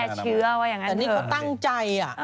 แต่นี่เขาตั้งใจ